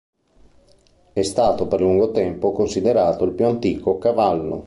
È stato per lungo tempo considerato il più antico cavallo.